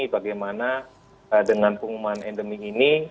bagaimana dengan pengumuman endemi ini